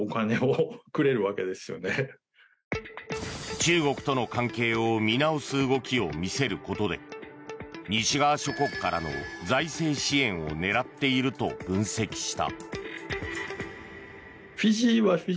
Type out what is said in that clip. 中国との関係を見直す動きを見せることで西側諸国からの財政支援を狙っていると分析した。